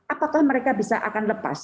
apakah mereka bisa akan lepas